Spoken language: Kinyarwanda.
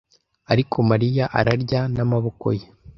ariko Mariya ararya n'amaboko ye.